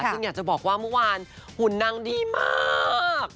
ซึ่งอยากจะบอกว่าเมื่อวานหุ่นนางดีมาก